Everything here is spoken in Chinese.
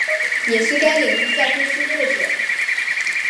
也是该领域教科书作者。